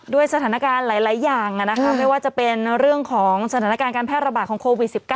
ด้วยสถานการณ์หลายอย่างไม่ว่าจะเป็นเรื่องของสถานการณ์การแพร่ระบาดของโควิด๑๙